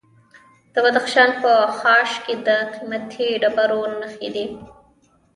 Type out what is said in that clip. د بدخشان په خاش کې د قیمتي ډبرو نښې دي.